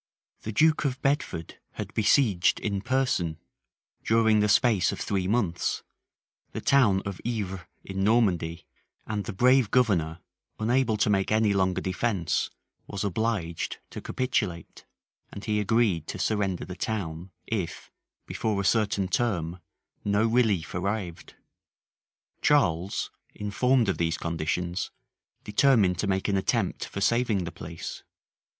The duke of Bedford had besieged in person, during the space of three months, the town of Yvri, in Normandy: and the brave governor, unable to make any longer defence, was obliged to capitulate; and he agreed to surrender the town, if, before a certain term, no relief arrived. Charles, informed of these conditions, determined to make an attempt for saving the place.